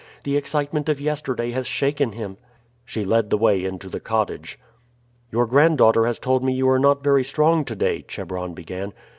The excitement of yesterday has shaken him." She led the way into the cottage. "Your granddaughter has told me you are not very strong to day," Chebron began.